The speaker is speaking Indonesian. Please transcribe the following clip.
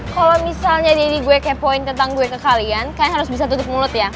kalau misalnya jadi gue kepoin tentang gue ke kalian kayaknya harus bisa tutup mulut ya